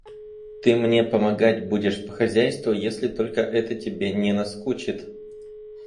Ты мне помогать будешь по хозяйству, если только это тебе не наскучит.